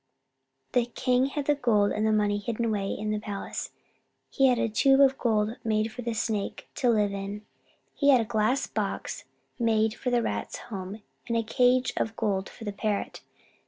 The king had the gold and the money hidden away in the palace. He had a tube of gold made for the Snake to live in. He had a glass box made for the Rat's home, and a cage of gold for the Parrot.